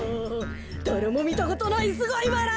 「だれもみたことないすごいバラ！」